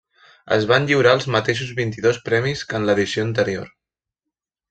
Es van lliurar els mateixos vint-i-dos premis que en l'edició anterior.